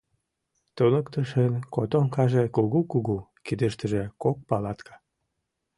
Туныктышын котомкаже кугу-кугу, кидыштыже кок палатка.